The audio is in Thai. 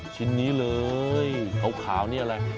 ชิ้นนี้เลยขาวนี่อะไร